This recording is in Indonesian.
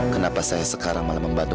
kenapa saya sekarang malah membantu